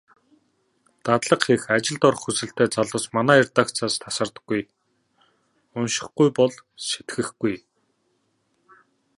Дадлага хийх, ажилд орох хүсэлтэй залуус манай редакцаас тасардаггүй. УНШИХГҮЙ БОЛ СЭТГЭХГҮЙ.